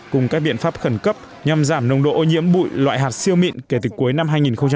cùng các biện pháp khẩn cấp nhằm giảm nồng độ ô nhiễm bụi loại hạt siêu mịn kể từ cuối năm hai nghìn một mươi chín